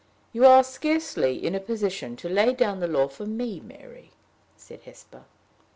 "You are scarcely in a position to lay down the law for me, Mary," said Hesper.